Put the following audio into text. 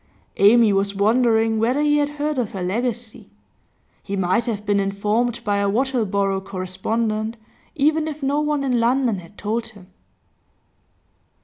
Amy was wondering whether he had heard of her legacy. He might have been informed by a Wattleborough correspondent, even if no one in London had told him.